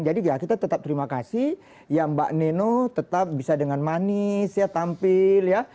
jadi kita tetap terima kasih ya mbak neno tetap bisa dengan manis ya tampil ya